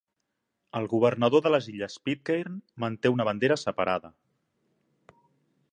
El governador de les illes Pitcairn manté una bandera separada.